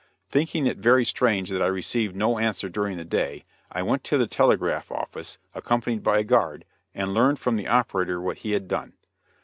Thinking it very strange that I received no answer during the day I went to the telegraph office, accompanied by a guard, and learned from the operator what he had done.